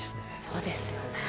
そうですよね。